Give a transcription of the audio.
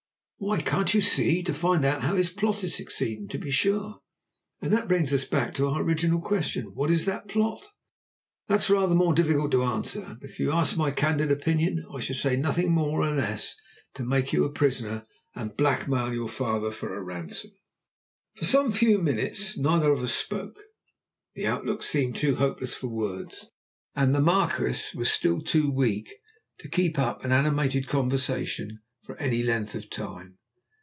"Why, can't you see? To find out how his plot is succeeding, to be sure." "And that brings us back to our original question what is that plot?" "That's rather more difficult to answer! But if you ask my candid opinion I should say nothing more nor less than to make you prisoner and blackmail your father for a ransom." For some few minutes neither of us spoke. The outlook seemed too hopeless for words, and the Marquis was still too weak to keep up an animated conversation for any length of time.